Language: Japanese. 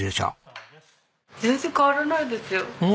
全然変わらないですよ。